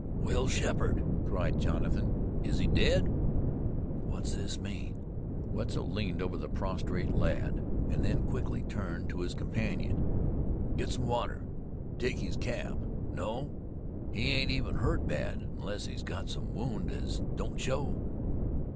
"Will Sheppard!" cried Jonathan. "Is he dead? What's this mean?" Wetzel leaned over the prostrate lad, and then quickly turned to his companion. "Get some water. Take his cap. No, he ain't even hurt bad, unless he's got some wound as don't show."